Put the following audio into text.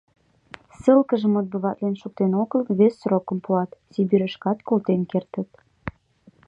Ссылкыжым отбыватлен шуктен огыл, вес срокым пуат, Сибирьышкат колтен кертыт.